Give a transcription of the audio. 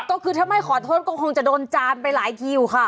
ก็คือถ้าไม่ขอโทษก็คงจะโดนจานไปหลายทีอยู่ค่ะ